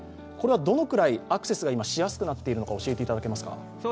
これはどのくらいアクセスがしやすくなっているか教えていただけますか？